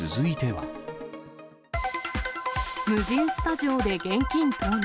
無人スタジオで現金盗難。